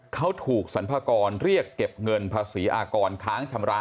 เขาถูกสรรพากรเรียกเก็บเงินภาษีอากรค้างชำระ